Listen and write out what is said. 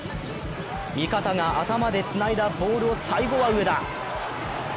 味方が頭でつないだボールを最後は上田。